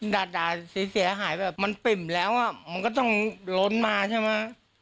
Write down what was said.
ด่าเสียหายแบบมันปิ่มแล้วอ่ะมันก็ต้องล้นมาใช่ไหม